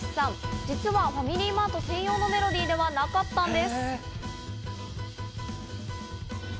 実はファミリーマート専用のメロディーではなかったんです。